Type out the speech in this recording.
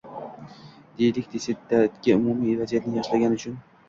Deylik, “dissidentga” umumiy vaziyatni yaxshilagani uchun